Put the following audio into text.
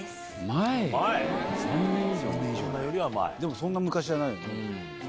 そんな昔じゃないよね。